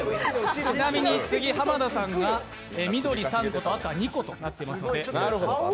ちなみに次、濱田さんが緑３個と赤２個となっています。